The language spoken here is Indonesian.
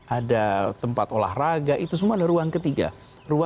ada tempat olahraga itu semua ada ruang ketiga